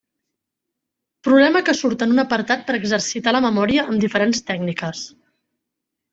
Problema que surt en un apartat per exercitar la memòria amb diferents tècniques.